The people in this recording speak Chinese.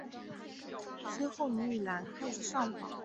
随后倪玉兰开始上访。